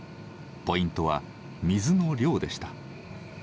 ポイントは水の量でした。